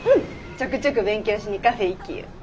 ちょくちょく勉強しにカフェ行きゆ。